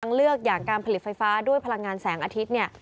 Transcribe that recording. เลือกอย่างการผลิตไฟฟ้าด้วยพลังงานแสงอาทิตย์เนี่ย